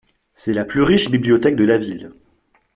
C'est la plus riche bibliothèque de la ville.